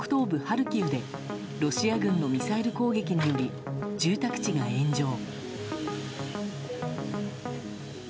ハルキウでロシア軍のミサイル攻撃により住宅地が炎上。